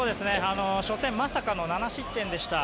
初戦まさかの７失点でした。